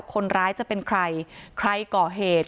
คนร้ายจะเป็นใครใครก่อเหตุ